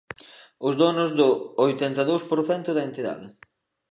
Os donos do oitenta e dous por cento da entidade.